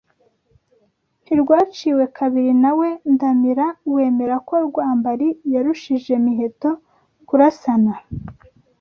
Ntirwaciwe kabiri na we Ndamira wemera ko Rwambari Yarushije Miheto kurasana